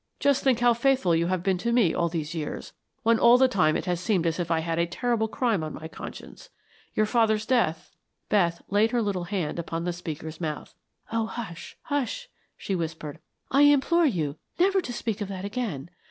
Just think how faithful you have been to me all these years, when all the time it has seemed as if I had a terrible crime on my conscience. Your father's death " Beth laid her little hand upon the speaker's mouth. "Oh, hush, hush," she whispered. "I implore you never to speak of that again.